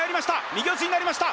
右四つになりました